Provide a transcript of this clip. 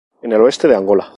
En el oeste de Angola.